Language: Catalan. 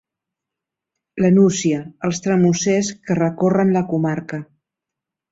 La Nucia: els tramussers, que recorren la comarca.